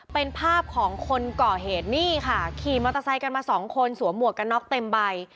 เป็นภาพของคนก่อเหตุนี่ค่ะขี่มอเตอร์ไซค์กันมาสองคนสวมหมวกกันน็อกเต็มใบ